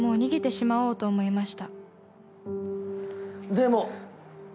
でも。